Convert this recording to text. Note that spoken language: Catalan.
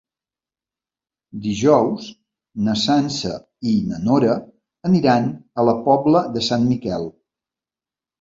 Dijous na Sança i na Nora aniran a la Pobla de Sant Miquel.